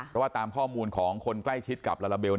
เพราะว่าตามข้อมูลของคนใกล้ชิดกับลาลาเบล